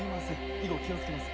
以後気をつけます。